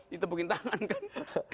ditepukin tangan kan